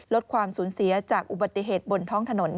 ลดความสูญเสียจากอุบัติเหตุบนท้องถนน